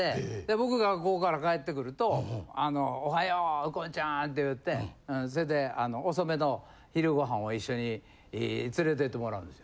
僕学校から帰ってくると「おはよう右近ちゃん」って言うてそれで遅めの昼ご飯を一緒に連れて行ってもらうんです。